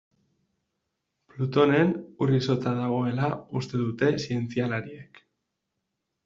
Plutonen ur-izotza dagoela uste dute zientzialariek.